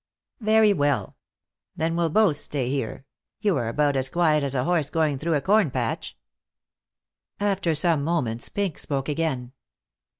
"Very well. Then we'll both stay here. You are about as quiet as a horse going through a corn patch." After some moments Pink spoke again.